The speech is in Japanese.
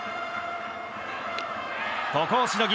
ここをしのぎ